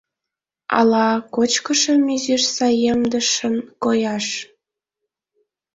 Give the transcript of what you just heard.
Ала кочкышым изиш саемдышын кояш?